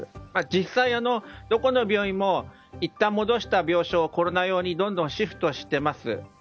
実際、どこの病院もいったん戻した病床をコロナ用にどんどんシフトしています。